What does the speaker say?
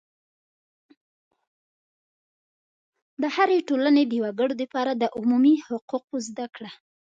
د هرې ټولنې د وګړو دپاره د عمومي حقوقو زده کړه